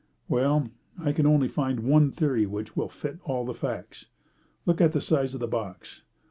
"Well, I can only find one theory which will fit all the facts. Look at the size of the box.